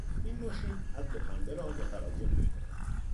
این ماشین عدل پنبه را متراکم میکند.